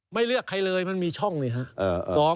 ไม่เลือกใครเลยมันมีช่องนี่ฮะ